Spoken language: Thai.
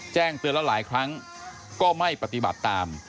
แจ้งเตือนแล้วหลายครั้งก็ไม่ปฏิบัติตาม